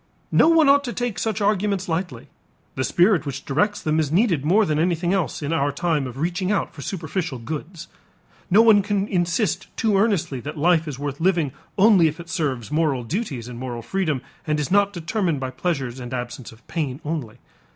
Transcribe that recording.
No one ought to take such arguments lightly. The spirit which directs them is needed more than anything else in our time of reaching out for superficial goods. No one can insist too earnestly that life is worth living only if it serves moral duties and moral freedom and is not determined by pleasures and absence of pain only.